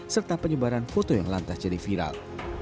serta penyebaran foto yang lantas jadi viral